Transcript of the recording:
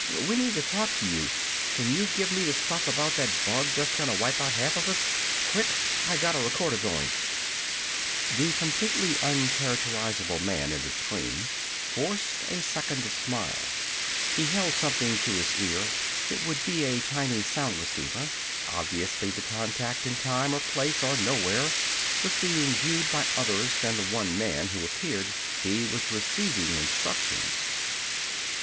We need to talk to you! Can you give me the stuff about that bug that's gonna wipe out half of us? Quick? I got a recorder goin'." The completely uncharacterizable man in the screen forced a second smile. He held something to his ear. It would be a tiny sound receiver. Obviously the contact in time or place or nowhere was being viewed by others than the one man who appeared. He was receiving instructions.